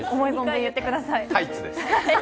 タイツです。